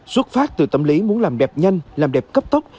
xuất phát từ tâm lý muốn làm đẹp nhân làm đẹp cấp tốc